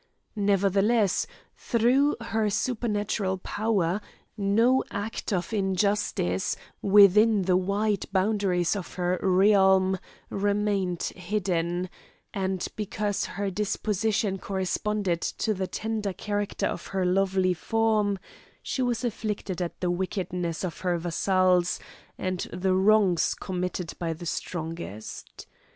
Nevertheless, through her supernatural power, no act of injustice, within the wide boundaries of her realm, remained hidden; and because her disposition corresponded to the tender character of her lovely form, she was afflicted at the wickedness of her vassals, and the wrongs committed by the strongest.